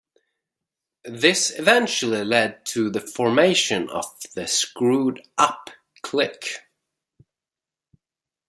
This eventually led to the formation of the Screwed Up Click.